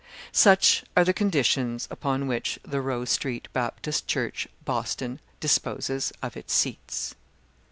Such are the conditions upon which the Rowe Street Baptist Church, Boston, disposes of its seats.